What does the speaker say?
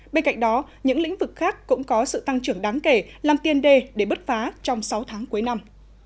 bên cạnh đó những lĩnh vực khác cũng có sự tăng trưởng đáng kể làm tiên đề để bứt phá trong sáu tháng cuối năm